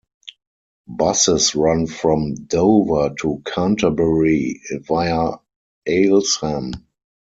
Buses run from Dover to Canterbury via Aylesham.